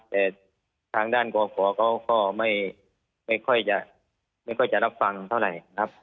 แต่ทางด้านกว่าก็ไม่ค่อยจะรับฟังเท่าไหร่ครับ